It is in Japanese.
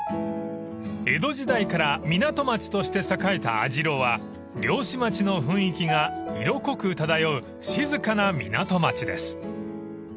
［江戸時代から港町として栄えた網代は漁師町の雰囲気が色濃く漂う静かな港町です］